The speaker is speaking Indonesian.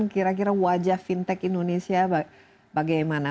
kira kira wajah fintech indonesia bagaimana